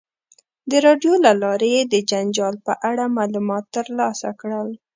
د راډیو له لارې یې د جنجال په اړه معلومات ترلاسه کړل.